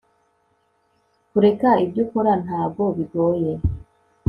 kureka ibyo ukora ntago bigoye